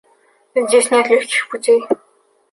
Здесь нет легких путей.